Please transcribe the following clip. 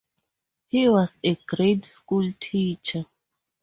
He was a grade school teacher.